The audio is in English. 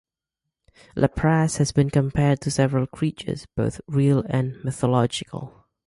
Lapras has been compared to several creatures both real and mythological.